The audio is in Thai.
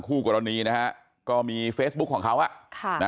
คู่กรณีนะฮะก็มีเฟสบุ็คของเขาอ่ะ